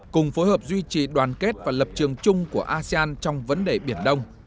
cùng phối hợp duy trì đoàn kết và lập trường chung của asean trong vấn đề biển đông